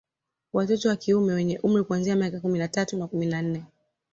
Watoto wa kiume wenye umri kuanzia miaka kumi na tatu na kumi na nne